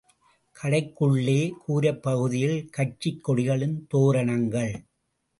கடைகளுக்குள்ளே, கூரைப்பகுதியில் கட்சிக் கொடிகளின் தோரணங்கள்.